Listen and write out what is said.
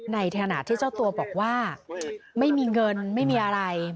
ในขณะที่เจ้าตัวบอกว่าไม่มีเงินไม่มีอะไร